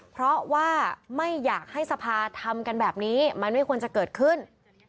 เพราะว่าไม่อยากให้สภาทำกันแบบนี้มันไม่ควรจะเกิดขึ้น